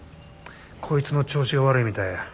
こいつの調子が悪いみたいや。